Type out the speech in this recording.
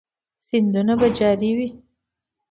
سیندونه به جاری وي؟